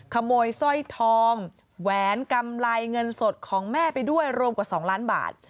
ขโมยสร้อยทองแหวนกำไรเงินสดของแม่ไปด้วยรวมกว่า๒ล้านบาท